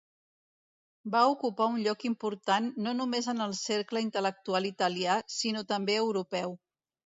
Va ocupar un lloc important no només en el cercle intel·lectual italià sinó també europeu.